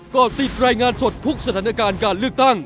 ก็ติดรายงานสดทุกสถานการณ์การเลือกตั้ง